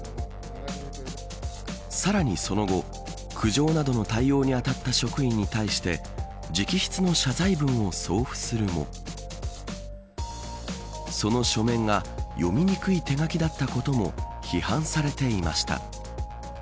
さらにその後苦情などの対応にあたった職員に対して直筆の謝罪文を送付するもその書面が、読みにくい手書きだったことも批判されていました。